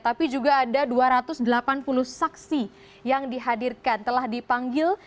tapi juga ada dua ratus delapan puluh saksi yang dihadirkan telah dipanggil